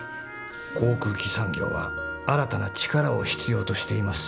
航空機産業は新たな力を必要としています。